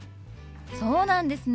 そうなんですね。